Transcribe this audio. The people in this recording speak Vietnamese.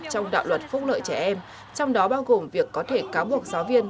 trong đạo luật phúc lợi trẻ em trong đó bao gồm việc có thể cáo buộc giáo viên